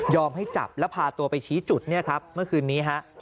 ให้จับแล้วพาตัวไปชี้จุดเนี่ยครับเมื่อคืนนี้ฮะ